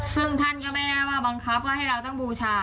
ซึ่งท่านก็ไม่น่ามาบังคับว่าให้เราต้องบูชา